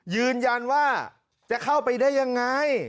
ยืนยันว่าจะเข้าไปได้ยังไง